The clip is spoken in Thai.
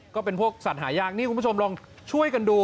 ก็เป็นพวกสัตว์หายากนี่คุณผู้ชมลองช่วยกันดู